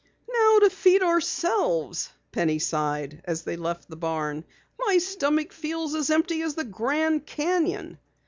"Now to feed ourselves," Penny sighed as they left the barn. "My stomach feels as empty as the Grand Canyon!"